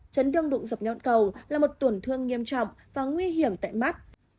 chấn thương đụng dập nhọn cầu là một tổn thương nghiêm trọng và nguy hiểm tại mắt